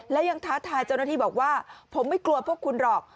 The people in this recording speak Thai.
และยังท้าทายเจ้าหน้าที่บอกว่าผมไม่กลัวพวกคุณหรอก